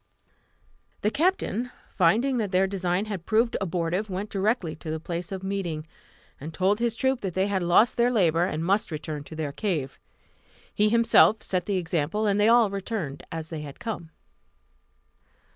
The captain, finding that their design had proved abortive, went directly to the place of meeting, and told his troop that they had lost their labour, and must return to their cave. He himself set them the example, and they all returned as they had come.